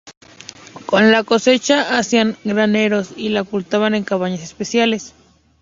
Con la cosecha hacían graneros y la ocultaban en cabañas especiales.